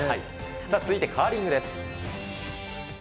さあ続いてカーリングです。